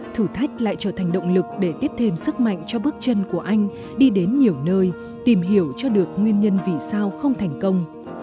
thử thách lại trở thành động lực để tiếp thêm sức mạnh cho bước chân của anh đi đến nhiều nơi tìm hiểu cho được nguyên nhân vì sao không thành công